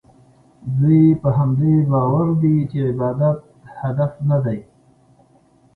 دوی په همدې باور دي چې عبادت هدف نه دی.